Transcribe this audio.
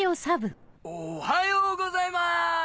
おはようございます！